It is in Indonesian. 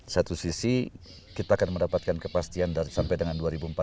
satu sisi kita akan mendapatkan kepastian sampai dengan dua ribu empat belas